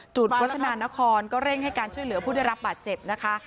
วัฒนานครก็เร่งให้การช่วยเหลือผู้ได้รับบาดเจ็บนะคะ